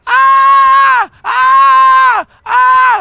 อ้าาาาา